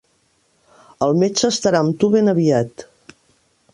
El metge estarà amb tu ben aviat.